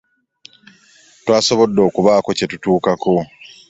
Twasobodde okubaako kye tutuukako.